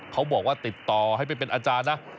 เขาบอกว่าติดต่อให้ไปเป็นอาจารย์นะ